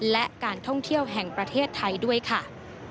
และการท่องเที่ยวแห่งประเทศไทยด้วยค่ะ